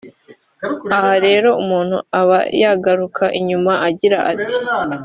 Aha rero umuntu ababa yagaruka inyuma akagira ati